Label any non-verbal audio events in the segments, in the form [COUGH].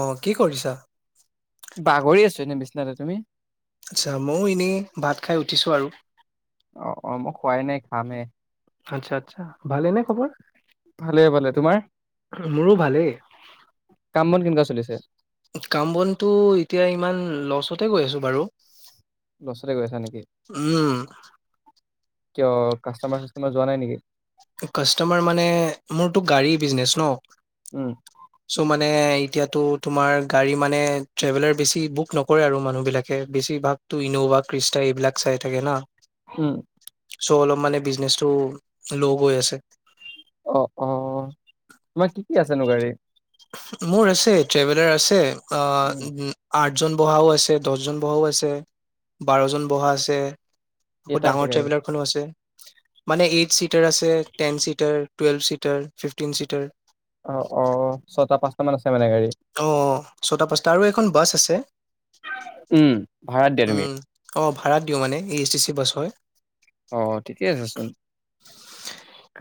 আহ কি কৰিছা বাগৰি আছো এনে বিশ্বনাথতে তুমি আচ্ছা ময়ো এনেই ভাত খাই উঠিছো আৰু অ অ মোক আচ্ছা আচছা ভালে নে খবৰ ভালে ভালে তোমাৰ মোৰো ভালেই কাম বন কেনেকুৱা চলিছে? কাম বনটো এতিয়া ইমান লচ কতেই গৈ আছো বাৰু উচলে গৈ আছা নেকি উম কিয় কাষ্টমাৰ চিষ্টমত যোৱা নাই নেকি কাষ্টমাৰ মানে মোৰতো গাড়ী বিজনেচ ন উম চ' মানে এতিয়াতো তোমাৰ গাড়ী মানে ট্ৰেভেলাৰ বেছি বুক নকৰে আৰু মানুহবিলাকে বেছিভাগতো ইন'ভা ক্ৰিষ্টা এইবিলাক চাই থাকে না হম চ' অলপ মানে বিজনেচটো ল' গৈ আছে অ অ তোমাৰ কি কি আছেনো গাড়ী মোৰ আছে ট্ৰেভেলাৰ আছে অ উম আঠ আাতজন বহাও আছে দহজন বহাও আছে বাৰজন বহা আছে আকৌ কেইটা আছে ডাঙৰ গাড়ী? ট্ৰেভেলাৰ খোনো আছে মানে এইছিপ [UNINTELLIGIBLE] ten seater twelve seater fifteen seater অহ অহ অহ ছটা পাঁচ মান আছে মানে গাড়ী অহ ছটা পাঁচটা আৰু এখন বাছ আছে। উম ভাড়াত দিয়া তুমি? উম অহ ভাড়া দিওঁ মানে এই এচ টি চি বাছ হয়। অ ঠিকে আছেচোন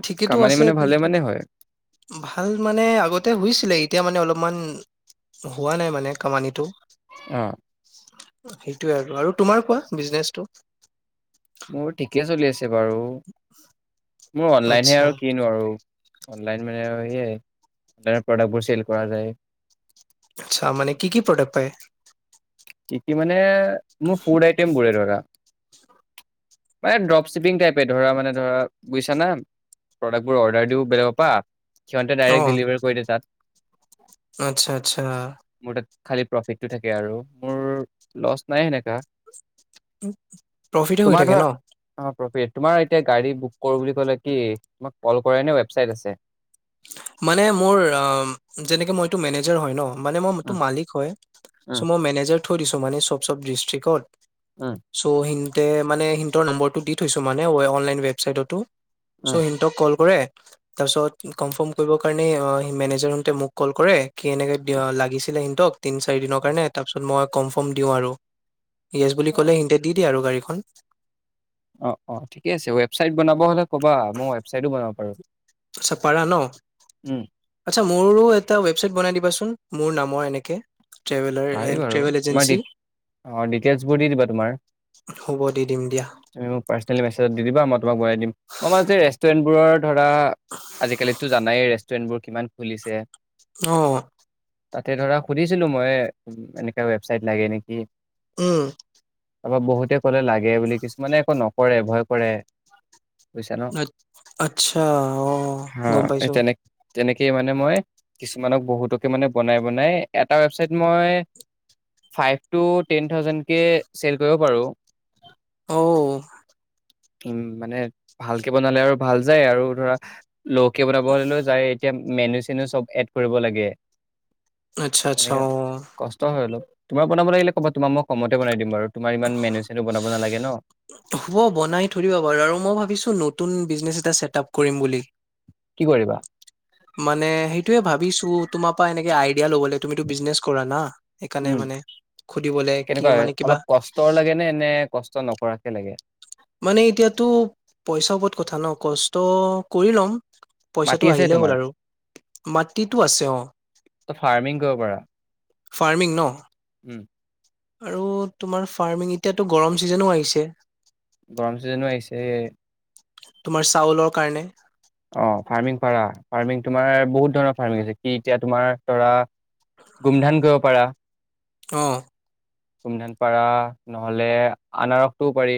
ঠিকেতো কামানি আছে মানে ভালে কিন্তু মানে হয় ভাল মানে আগতে হৈছিলে তেতিয়া মানে অলপমান হোৱা নাই মানে কামানিটো অহ সেইটোৱে আৰু আৰু তোমাৰ কোৱা বিজনেচটো? মোৰ ঠিকে চলি আছে বাৰু মোৰ অনলাইনহে আচ্ছা আৰু কিনো আৰু অনলাইন মানে সেয়াই অনলাইনৰ প্ৰডাক্টবোৰ চেল কৰা যায়। আচ্ছা মানে কি কি প্ৰডাক্ট পায়? কি কি মানে মোৰ ফুড আইটেম বোৰে ধৰা মানে ড্ৰপ শিপিং টাইপে ধৰা মানে ধৰা বুজিছা না প্ৰডাক্টবোৰ অৰ্ডাৰ দিও বেলেগৰ পৰা সিহঁতে অ ডাইৰেক্ট ডেলিভাৰ কৰি দে তাত। আচ্ছা আচ্ছা মোৰ তাত খালি প্ৰফিটটো থাকে আৰু মোৰ লছ নাই সেনেকা প্ৰফিতে হৈ তোমাৰ থাকে ধৰা ন? অ প্ৰফিট তোমাৰ এতিয়া গাড়ী বুক কৰোঁ বুলি কলে কি তোমাক কল কৰে নে ৱেবচাইট আছে? মানে মোৰ যেনেকে মই এইটো মেনেজাৰ হয় ন মানে মই উম মালিক হয় চো উম মেনেজাৰ থৈ দিছো মানে চব চব ডিষ্ট্ৰিকটত উম ছ' হিন্দ তে মানে সিহঁতৰ নম্বৰটো দি থৈছো মানে অনলাইন ৱেবচাইটতো। চ উম সিহঁতক কল কৰে তাৰপিছত কনফাৰ্ম কৰিবৰ কাৰণে মেনেজাৰ হতে মোক কল কৰে কি এনেকে দিঅ লাগিছিলে হে তিনি চাৰি দিনৰ কাৰণে তাৰপিছত মই কনফাৰ্ম দিওঁ আৰু য়েছ বুলি অ ক'লে সিহতে দি আৰু গাড়ীখন অ অ ঠিকে আছে ৱেবচাইট বনাব বহুত ক'বা মই ৱেচাইটো বনাব পাৰো আচ্ছা পাৰা ন উম আচ্ছা মোৰো এটা ৱেবচাইট বনাই দিবা চোনমোৰ নামৰ এনেকে ট্ৰেভেলাৰ পাৰি এণ্ড বাৰু ট্ৰেভেল তোমাৰ এজেঞ্চি অ ডিটেইলছবোৰ দি দিবা তোমাৰ হ'ব দি দিম দিয়া তুমি মোক পাৰ্চনেলি মেছেজত দি দিবা ম তোমাক ভৰাই দিম অ মই আজি ৰেষ্টোৰেন্ট বোৰত ধৰা আজিকালিতো জানাইৰে ৰেন বোৰ কিমান খুলিছে অ তাতে ধৰা সুধিছিলো মই এনেকোৱা ৱেবছাইট লাগে নেকি উম তাৰপৰা বহুতে কলে লাগে বুলি কিছুমানে একো নক কৰে ভয় কৰে বুজিছা ন আচ্ছা অ গম পাইছো তেনেকে মানে মই কিছুমানক বহুতকে মানে বনাই বনাই এটা ৱেবচাইট মই ফাইভ টো টেন ঠাউজেনকে চেল কৰিব পাৰো অ উম মানে ভালকে বনালে আৰু ভাল যায় আৰু ধৰা লোকে বানাবলৈও যায় এতিয়া মেনু চেনু চব এড কৰিব লাগে আচ্ছা আচ্ছা অ তেনেকা কষ্ট হয় অলপ তোমাক বনাব লাগিলে কবা তোমাক মই কমতে বনাই দিম বাৰু তোমাৰ ইমান মেনু চেনু বনাব নালাগে ন হব বনাই থৈ দিবা বাৰু আৰু মই ভাবিছো নতুন বিজনেছ এটা চেটআপ কৰিম বুলি কি কৰিবা মানে সেইটোয়ে ভাবিছো তোমাৰ পৰা এনেকে আইডিয়া লবলে তুমিটো বিজনেচ কৰা না সেইকাৰণে উম মানে সুধিবলৈ কি কেনেকুৱা লাগে মানে কিবা অলপ কষ্টৰ লাগে নে নে কষ্ট নকৰাকে লাগে মানে এতিয়াতো পইচা ওপৰত কথা ন কষ্ট কৰি ল'ম মাটি পইচাটো আছে আহিলেই তোমাৰ হ'ল আৰু মাটিটো আছে অ ত ফাৰ্মিং কৰিব পাৰা ফাৰ্মিং ন উম আৰু তোমাৰ ফাৰ্মিং এতিয়াতো গৰম ছিজনো আহিছে গৰম চিজনো আহিছে তোমাৰ চাউলৰ কাৰণে অ ফাৰ্মিং পাৰা ফাৰ্মিং তোমাৰ বহুত ধৰণৰ ফাৰ্মিংছে কি এতিয়া তোমাৰ ধৰা গোমধান কৰিব পাৰা অহ গোমধান পাৰা নহলে আনাৰসটোও পাৰি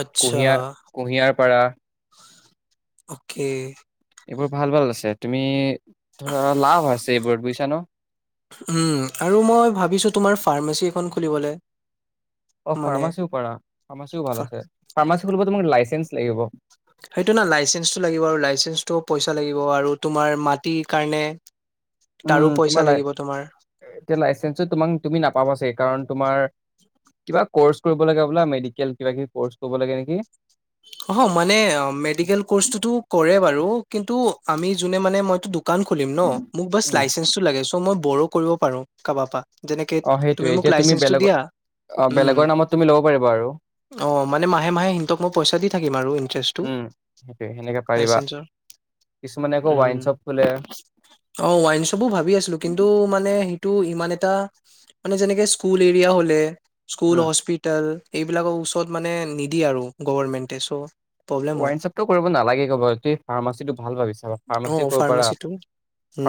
আচ্ছা, কুঁহিয়াৰ কুঁহিয়াৰ পাৰা অকে। এইবোৰ ভাল ভাল আছে তুমি। ধৰা লাভ আছে এইবোৰত বুজিছা ন উম আৰু মই ভাবিছো তোমাৰ ফাৰ্মাচী। খন খুলিবলে। অ মানে ফাৰ্মাচীও পাৰা ফাৰ্মাচীও ভাল আছে ফাৰ্মাচী খুলিব তোমাক লাইচেন্স লাগিব। সেইটো না লাইচেন্সটো লাগিব আৰু লাইচেন্সটো পইচা লাগিব আৰু তোমাৰ মাটিৰ কাৰণে উম তাৰো পইচা তোমাৰ লাই লাগিব তোমাৰ এতিয়া লাইচেন্সটো তুমি নাপাবা। বা‌ ছাগে কাৰণ তোমাৰ কিবা কৰ্চ কৰিব লাগে বোলে মেডিকেল কিবা কিবি কৰ্চ কৰিব লাগে নেকি অহ মানে মেডিকেল কৰ্চটোতো কৰে বাৰু কিন্তু আমি জোনে মানে মইতো দুখ। দোকান খুলিম ন মোক বাছ উম লাইচেন্সটো লাগে চ' মই। বৰো কৰিব পাৰো কাৰোবাৰ পৰা। যেনেকে অ তুমি সেইটোয়ে মোক এতিয়া লাইচেন্সটো বেলেগৰ দিয়া অ উম বেলেগৰ নামত তুমি ল'ব পাৰিবা আৰু অ মানে মাহে মাহে সিহঁতক মই। পইচা দি থাকিম আৰু ইণ্টাৰেষ্টটো উম সেইটোয়ে সেনেকে পাৰিবা লাইচেন্সৰ কিছুমানে আকৌ উ ৱাইন শ্বপ খোলে অ ওৱাইন শ্বপ ভাবি আছিলো কিন্তু মানে সেইটো ইমান এটা মানে যেনেকে স্কুল এৰিয়া হলে স্কুল, উম হস্পিটেল। এইবিলাকৰ ওচৰত মানে নিদিয়ে আৰু। গভৰ্ণমেণ্টে চ' প্ৰব্লেম হয় ৱাইন শ্বপটো কৰিব নালাগে কিবজ্যোতি ফাৰ্মাচী ভাল ভাবিছা বাৰু অ ফাৰ্মাচী কৰিব পাৰা ফাৰ্মাচীটো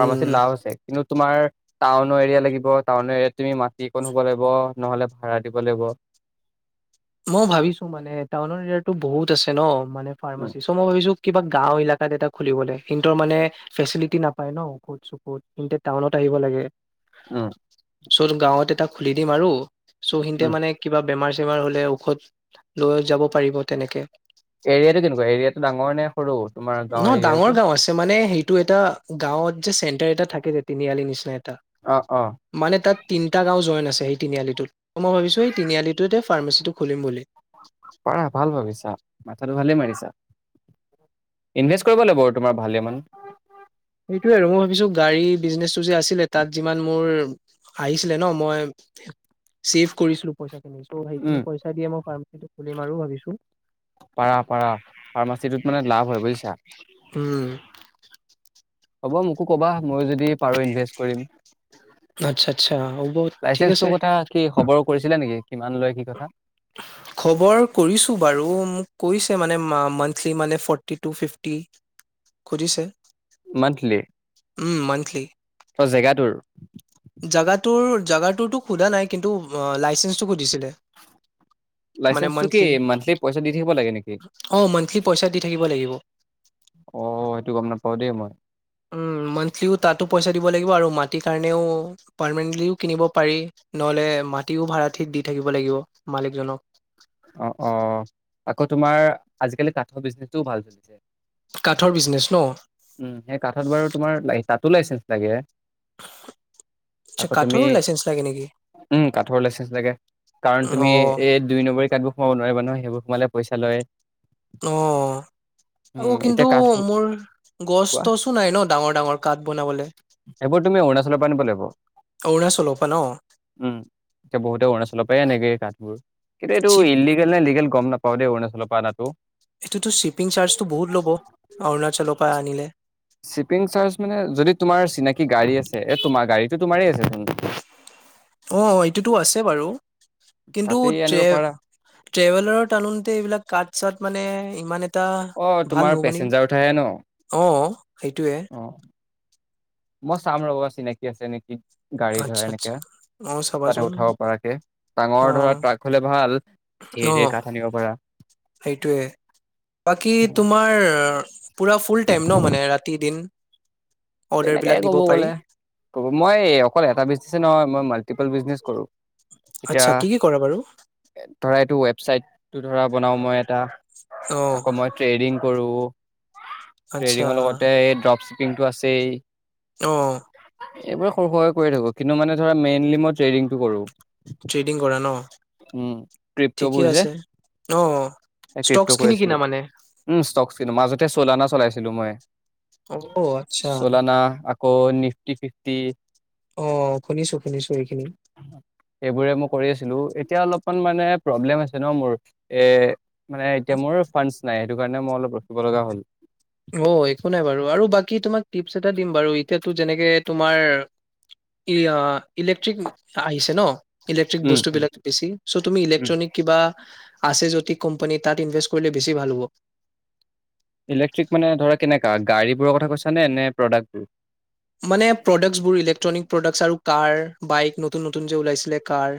ফাৰ্মাচীত লাভ আছে কিন্তু তোমাৰ টাউন টাউনৰ এৰিয়া লাগিব টাউন এৰিয়াত তুমি মাটি অকণ হ'ব লাগিব নহলে ভাড়া দিব লাগিব। মই ভাৱিছো মানে টাউনৰ এৰিয়াতো বহুত আছে ন মানে উম ফাৰ্মাচী চ মই ভাবিছো কিবাক। গাঁও এলেকাত এটা খুলিবলে সিনতৰ মানে ফেচিলিটি নাপায় ন ঔষুধ চকুত টাউনত আহিব লাগে। উম। ওচত গাঁৱত এটা খুলি দিম আৰু চ'খিনিতে উম। মানে কিবা বেমাৰ চেমাৰ হ'লে ঔষধ লৈ যাব পাৰিব তেনেকে। এৰিয়াটো কেনেকুৱা এৰিয়াটো ডাঙৰ নে? সৰু তোমাৰ ন গাঁৱৰ ডাঙৰ এৰিয়াটো? গাঁও আছে মানে সেইটো। এইটো এটা গাঁৱত যে চেণ্টাৰ এটা থাকে যে তিনিআলি নিচিনা এ। অ', অ', মানে তাত তিনিটা গাঁও জইন আছে আচ্ছা সেই তিনিআলিটোত। মই ভাবিছো সেই তিনিআলিটোতে ফাৰ্মাচিটো খুলিম বুলি। পাৰা, ভাল ভাবিছা মাথাটো ভালেই মাৰিছা। ইনভেষ্ট কৰিব লাগিব তোমাৰ। ভালেমান। সেইটোয়ে আৰু মই ভাবিছো গাড়ী বিজনেচটো যে আছিলে তাত যিমান মোৰ। আহিছিলে ন মই ছেভ কৰিছিলো পইচা। চ' উম, সেইখিনি পইচাদিয়ে মই ফাৰ্মাচী। খুলিম আৰু ভাবিছো পাৰা পাৰা ফাৰ্মাচীটোত মানে লাভ হয় বুজিছা উম হ'ব মোক মোকো ক'বা মই যদি পাৰো ইনভেষ্ট কৰিম আচ্ছা আচ্ছা হ'ব ঠিক আছে লাইচেনসটোৰ কথা কি খবৰ কৰিছিলে নেকি কিমান লয় কি কথা কৰিছে মানে মান্থলি মানে ফৰ্টি টু ফিফটি খুজিছে মান্থলি উম অ জেগাটোৰ [UNINTELLIGIBLE] জেগাটোৰ জেগাটোৰতো সোধা নাই কিন্তু লাইচেন্ঞ্চটো সুধিছিলে মানে লাইচেন্সটো কি মান্থলি পইচা দি থাকিব লাগে নেকি? অ মান্থলি পইচা দি থাকিব লাগিব অ সেইটো গম নাপাও দেই মই মান্থলিও তাতো পইচা দিব লাগিব আৰু মাটিৰ কাৰণেও পাৰ্মেন্টলিও কিনিব পাৰি নহলে মাটিও ভাড়াঠিত দি থাকিব লাগিব মালিকজনক অ অ আকৌ তোমাৰ আজিকালি কাঠৰ বিজনেচটোও ভাল কাঠৰ বিজনেচ ন? উম সেই কাঠত বাৰু তোমাৰ লাই কাঠ তাতো উলাইছে নেকি চাগে আচ্ছা আকৌ তুমি কাঠৰো লাইচেন্ঞ্চ লাগে নেকি? উম কাঠৰ লাইচেঞ্চ লাগে কাৰণ তুমি অ', এই দুই নম্বৰী অ নোৱাৰিবা নহ সেইবোৰ মানে পইচা লয় অ আকৌ উম কিন্তু এতিয়া কাঠবোৰ মোৰ গছ কোৱা তছো নাই ন ডাঙৰ ডাঙৰ কাঠ বনাবলৈ অ উম এতিয়া বহুতে অৰুণাচল পৰাই আনেগে কাঠ হয় [INAUDIBLE] এইটো চিপ ইনদিগেল নে লিগেল গম নাপাও দেই অৰুণাচল পাত তাতো এইটোতো শ্বিপিং চাৰ্জতটো বহুত ল'ব অৰুণাচলক বা দিলে শ্বিপিং চাৰ্জ মানে যদি তোমাৰ চিনাকি গাড়ী আছে এ তোমাৰ গাড়ীটো তোমাৰেই আছে চোন টো আছে বাৰু কিন্তু তাতেই আনিব পাৰা ট্ৰেভেলাৰৰ আচলতে এইবিলাক কাাট চাট মানে ইমান এটা অ ভাল তোমাৰ নহ'ব নেকি পেচেঞ্জাৰ উঠাহে ন অ সেইটোৱে অ মই চাম ৰব চিনাকি আছে নেকি গাড়ী ঘ়া আচ্ছা আচ্ছা তেনেকা অ ভাল চাবাচোন উঠাব পৰাকে অ ডাঙৰ ধৰা ট্ৰাক হলে ভাল ধেৰ ধেৰ কাঠ আনিব পাৰা সেইটয়ে বাকী তোমাৰ পুৰা ফুল টাইম ন মানে ৰাতি দিন অৰ্ডাৰ তেনেকাইে বিলাক দিব কব পাৰি গ'লে কব মই অকল এটা বিজনে নহয় মই মাল্টিপল বিজনে কৰোঁ এতিয়া আচ্ছা কি কি কৰা বাৰু ধৰা এইটো ৱেবচাইট তটো ধৰা বনাও মই এটা অ আকৌ মই ট্ৰেডিং কৰো আচ্ছা ট্ৰেডিঙৰ লগতে এই ড্ৰপ কিন্তু আছে তে অহ এইবোৰ সৰু সহ কৰি থাকো কিন্তু মানে ধৰা মেইনলি মই ট্ৰেডিংটো কৰো ট্ৰেডিং কৰা ন উম ক্ৰিপ্ট'বোৰ ঠিকে যে আছে অ ক্ৰিপ্ট' ষ্টকচখিনি কিনা মানে ততে চলানা চলাইছিলো মই অ আচ্ছা চোলানা আকৌ নিফটি ফিফটি অ শুনিছো শুনিছো এইখিনি এইবোৰে মই কৰি আছিলো এতিয়া অলপমান মানে প্ৰব্লেম আছে ন মোৰ এ মানে এতিয়া মোৰ ফাণ্ডচ নাই সেইটো কাৰণে মই অলপ ৰখিব লগা হ'ল অ একো নাই বাৰু আৰু বাকী তোমাক টিপছ এটা দিম বাৰু এতিয়াতো যেনেকে তোমাৰ ই এ ইলেক্ট্ৰিক আহিছে ন ইলেক্ট্ৰিক উম, বস্তু বিলাক ইলেক্ট্ৰিক বেছি চ' তুমি উম ইলেক্ট্ৰনিক কিবা আছে যদি কোম্পানী তাত ইনভেষ্ট কৰিলে বেছি ভাল হ'ব ইলেক্ট্ৰিক মানে ধৰা কেনেকা গাড়ী বোৰৰ কথা কৈছা নে নে প্ৰডাক্ট বোৰ মানে প্ৰডাক্টছবোৰ, ইলেক্ট্ৰনিক প্ৰডাক্টছ আৰু কাৰ, বাইক, নতুন নতুন যে ওলাইছিলে, কাৰ।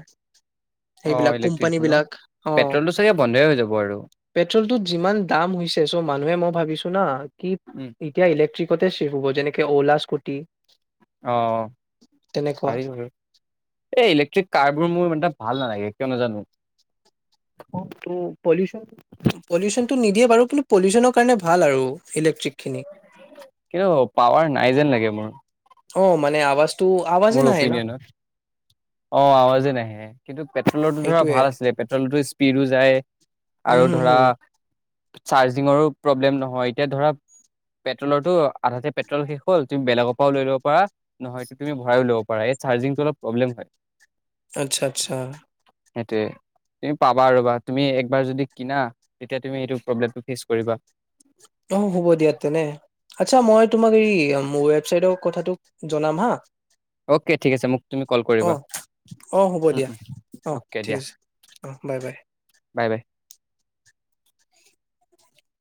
অ সেইবিলাক কোম্পানী ইলেক্ট্ৰিকবোৰ ন বিলাক, অ', পেট্ৰলটো চাগে বন্ধই হৈ যাব আৰু পেট্ৰলটোত যিমান দাম হৈছে, চ' মানুহে মই ভাবিছোঁ না, কি উম এতিয়া ইলেকট্ৰিক বহুতেই চে'ফ হ'ব, যেনেকে অ'লা স্কুট টি অ', পাৰি বাৰু। এই ইলেক্ট্ৰিক কাৰ বোৰ মোৰ ইমান এটা ভাল নালাগে, কিয় নাজানো। পলিউচন, পলিউচনটো নিদিয়ে বাৰু, কিন্তু পলিউচনৰ কাৰণে ভাল আৰু। ইলেক্ট্ৰিক খিনি কিন্তু, পাৱাৰ নাই যেন লাগে মোৰ। অ' মানে আৱাজ মোৰ অপিনিয়নত, অ', আৱাজে নাহে, কিন্তু পেট্ৰলৰটো ধৰা সেইটোয়ে ভাল আছিলে, পেট্ৰলৰটো ইচ্ স্পীদো যায়। উম, আৰু হুম, ধৰা হুম, চাৰ্জিঙৰো প্ৰব্লেম নহয়, এতিয়া ধৰা, পেট্ৰলৰটো আধাতে পেট্ৰল শেষ হ'ল, তুমি বেলেগৰ পৰাও লৈ ল'ব পাৰা, নহয় তু তুমি ভৰাইও ল'ব পাৰা। ইয়াত চাৰ্জিংটো অলপ প্ৰব্লেম হয়। আচ্ছা-আচ্ছা। সেইটোৱেই, তুমি পাবা ৰ'বা, তুমি একবাৰ যদি কিনা, তেতিয়া তুমি সেইটো প্ৰব্লেমটো ফেচ কৰিবা। অ', হ'ব দিয়া তেনে, আচ্ছা মই তোমাক এই ৱেবচাইটৰ কথাটো জনাম হা। অ'কে, ঠিক আছে মোক তুমি কল কৰিবা অ', অ' হ'ব উম, দিয়া, উম। অ' অ'কে ঠিক দিয়া আছে, অ' বাই বাই। Bye bye.